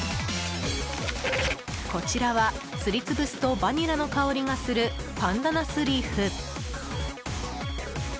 こちらはすり潰すとバニラの香りがするパンダナスリーフ。